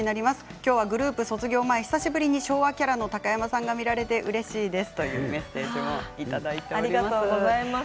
きょうはグループ卒業前久しぶりに昭和キャラの高山さんが見られてうれしいですというありがとうございます。